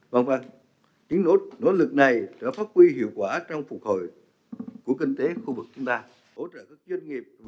vâng vâng những nỗ lực này đã phát huy hiệu quả trong phục hồi của kinh tế khu vực chúng ta